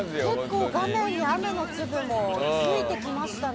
結構、画面に雨の粒もついてきましたね。